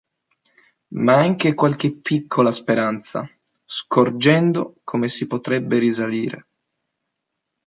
Ma anche qualche piccola speranza, scorgendo come si potrebbe risalire.